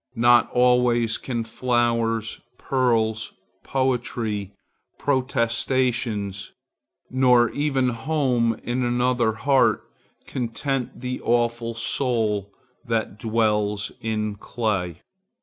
Not always can flowers, pearls, poetry, protestations, nor even home in another heart, content the awful soul that dwells in clay.